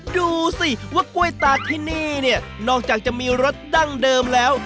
ดูสิว่ากล้วยตาที่นี่เนี่ยนอกจากจะมีรสดั้งเดิมแล้ว